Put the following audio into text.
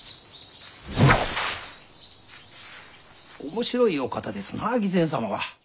面白いお方ですな義仙様は。